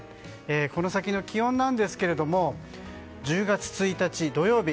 この先の気温なんですけども１０月１日、土曜日。